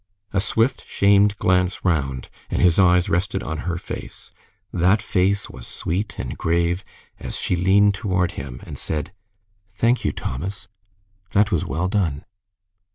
A swift, shamed glance round, and his eyes rested on her face. That face was sweet and grave as she leaned toward him, and said, "Thank you, Thomas. That was well done."